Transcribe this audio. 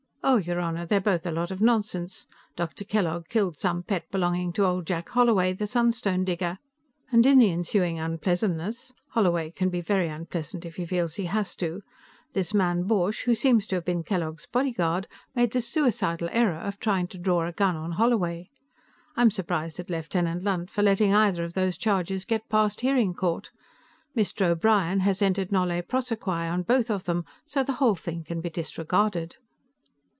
"Oh, your Honor, they're both a lot of nonsense. Dr. Kellogg killed some pet belonging to old Jack Holloway, the sunstone digger, and in the ensuing unpleasantness Holloway can be very unpleasant, if he feels he has to this man Borch, who seems to have been Kellogg's bodyguard, made the suicidal error of trying to draw a gun on Holloway. I'm surprised at Lieutenant Lunt for letting either of those charges get past hearing court. Mr. O'Brien has entered nolle prosequi on both of them, so the whole thing can be disregarded."